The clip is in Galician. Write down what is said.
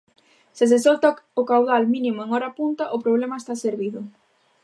Se se solta o caudal mínimo en hora punta, o problema está servido.